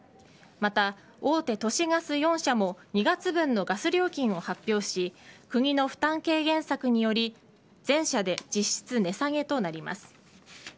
また、大手都市ガス４社も２月分のガス料金を発表し国の負担軽減策により全社で実質値下げとなります。